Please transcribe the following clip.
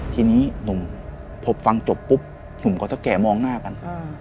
ทีนี้หนุ่มพอฟังจบปุ๊บหนุ่มกับเท่าแก่มองหน้ากัน